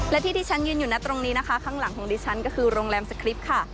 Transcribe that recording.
และที่ที่ฉันยืนอยู่นะตรงนี้นะคะข้างหลังของดิฉันก็คือโรงแรมสคริปต์ค่ะ